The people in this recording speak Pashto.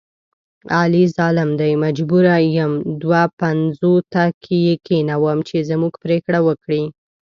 علي ظالم دی مجبوره یم دوه پنځوته یې کېنوم چې زموږ پرېکړه وکړي.